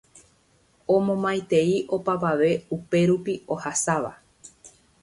Omomaitei opavave upérupi ohasáva